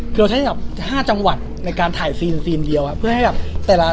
เราใช้แบบ๕จังหวัดในการถ่ายซีนซีนเดียวอะเพื่อให้แบบ